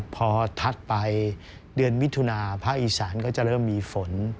พอทัดไปเดือนมิถุนาภาคอีสานก็จะเริ่มมีฝน